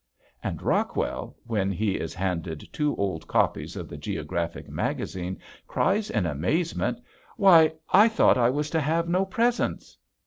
And Rockwell, when he is handed two old copies of the "Geographic Magazine" cries in amazement, "Why I thought I was to have no presents!"